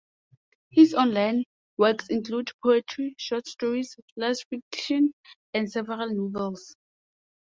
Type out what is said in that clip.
His online works include poetry, short stories, "flash fiction", and several novels.